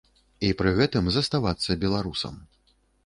І пры гэтым заставацца беларусам.